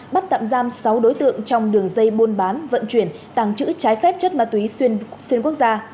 bắt tạm giam sáu đối tượng trong đường dây buôn bán vận chuyển tàng trữ trái phép chất ma túy xuyên quốc gia